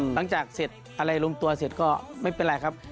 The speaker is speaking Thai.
หลังจากเสร็จอะไรลงตัวเสร็จก็ไม่เป็นไรครับ